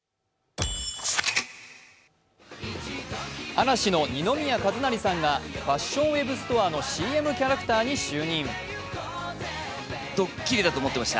嵐の二宮和也さんがファッションウエブストアのＣＭキャラクターに就任。